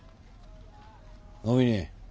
お峰。